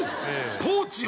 ポーチを！？